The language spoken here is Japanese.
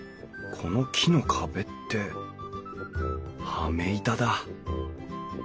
この木の壁って羽目板だ。